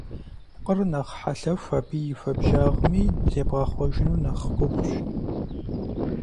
Пкъыр нэхъ хьэлъэху, абы и хуабжьагъми зебгъэхъуэжыну нэхъ гугъущ.